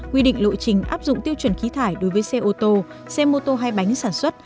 quy định lộ trình áp dụng tiêu chuẩn khí thải đối với xe ô tô xe mô tô hay bánh sản xuất